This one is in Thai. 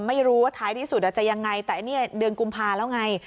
ไม่รู้ว่าท้ายที่สุดจะยังไงแต่อันนี้เดือนกุมภาแล้วไง